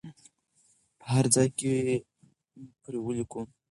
په هر ځای کې پرې ولیکو.